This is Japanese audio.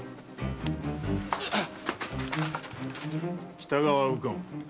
北川右近